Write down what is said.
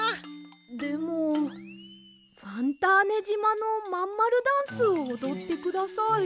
でもファンターネじまのまんまるダンスをおどってください。